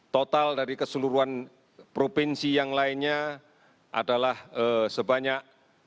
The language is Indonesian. total dari keseluruhan provinsi yang lainnya adalah sebanyak